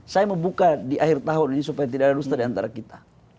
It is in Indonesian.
saya membuka di akhir tahun ini supaya tidak ada rusta diantara kita